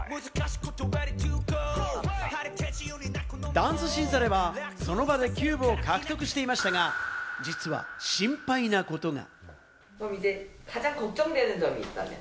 ダンス審査では、その場でキューブを獲得していましたが、実は心配なことが。